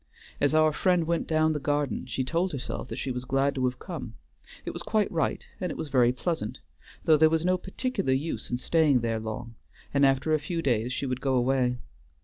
As our friend went down the garden she told herself that she was glad to have come; it was quite right, and it was very pleasant, though there was no particular use in staying there long, and after a few days she would go away.